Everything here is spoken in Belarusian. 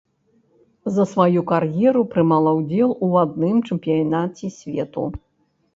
За сваю кар'еру прымала ўдзел у адным чэмпіянаце свету.